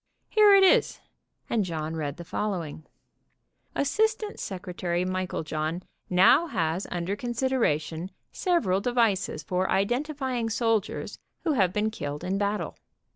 Here it is," and John read the following : "Assistant Secretary Meiklejohn now has under consideration several devices for identifying soldiers who have been killed in battle.